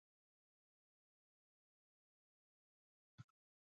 او ژېړه دوړه ولیدل، لومړی یوه تېزه رڼا شول.